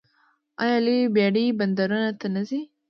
آیا لویې بیړۍ بندرونو ته نه راځي؟